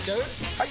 ・はい！